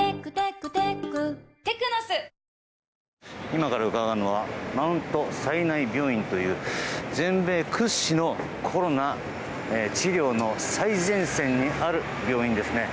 今から伺うのはマウントサイナイ病院という全米屈指のコロナ治療の最前線にある病院ですね。